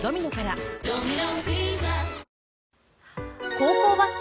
高校バスケ